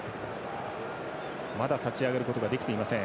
まだ立ち上がることができていません。